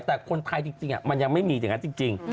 แต่คนไทยจริงมันยังไม่มีอย่างนั้นจริง